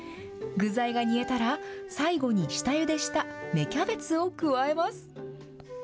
具材が煮えたら、最後に下ゆでした芽キャベツを加えます。